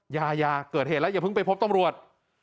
ยายาเกิดเหตุแล้วอย่าเพิ่งไปพบตำรวจ